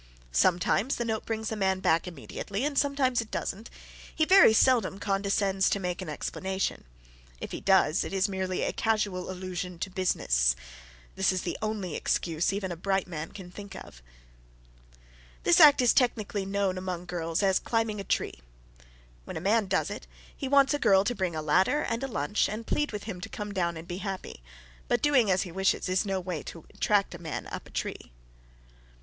Sometimes the note brings the man back immediately and sometimes it doesn't. He very seldom condescends to make an explanation. If he does, it is merely a casual allusion to "business." This is the only excuse even a bright man can think of. [Sidenote: "Climbing a Tree"] This act is technically known among girls as "climbing a tree." When a man does it, he wants a girl to bring a ladder and a lunch and plead with him to come down and be happy, but doing as he wishes is no way to attract a man up a tree.